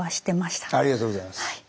ありがとうございます。